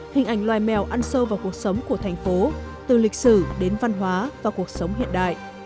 hình ảnh loài mèo ăn sâu vào cuộc sống của thành phố từ lịch sử đến văn hóa và cuộc sống hiện đại